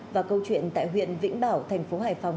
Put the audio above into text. và câu chuyện tại huyện vĩnh bảo thành phố hải phòng